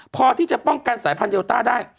พอที่จะป้องกันสายพันธุเดลต้าได้